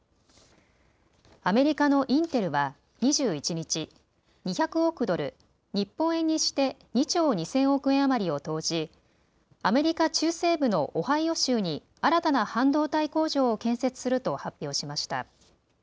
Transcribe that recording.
アメリカのインテルは２１日、２００億ドル、日本円にして２兆２０００億円余りを投じ、アメリカ中西部のオハイオ州に新たな半導体工場を建設すると発表しました。